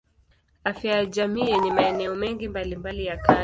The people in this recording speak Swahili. Afya ya jamii yenye maeneo mengi mbalimbali ya kazi.